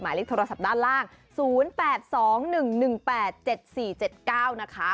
เลขโทรศัพท์ด้านล่าง๐๘๒๑๑๘๗๔๗๙นะคะ